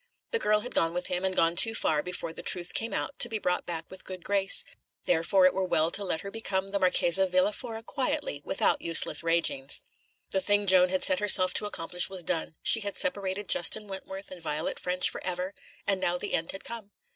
The girl had gone with him, and gone too far before the truth came out to be brought back with good grace, therefore it were well to let her become the Marchesa Villa Fora quietly, without useless ragings. The thing Joan had set herself to accomplish was done; she had separated Justin Wentworth and Violet Ffrench for ever, and now the end had come.